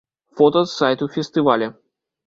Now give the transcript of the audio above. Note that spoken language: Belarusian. Фота з сайту фестываля.